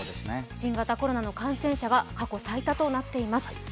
新型コロナの感染者が過去最多となっています。